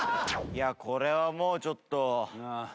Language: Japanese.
これはもうちょっと。